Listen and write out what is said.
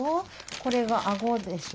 これがあごでしょ。